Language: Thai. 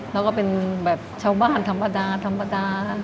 แล้วก็เป็นแบบชาวบ้านธรรมดาธรรมดา